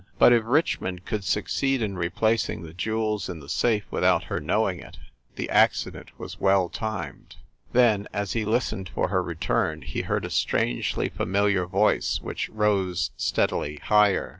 But, if Richmond could succeed in re placing the jewels in the safe without her knowing it, the accident was well timed. Then, as he listened for her return, he heard a strangely familiar voice, which rose steadily higher.